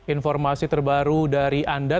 informasi terbaru dari anda